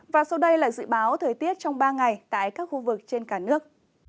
và sau đây là dự báo thời tiết trong ba ngày tại các khu vực trên cả nước